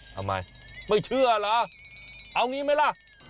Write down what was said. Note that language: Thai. ทำไมไม่เชื่อเหรอเอางี้ไหมล่ะ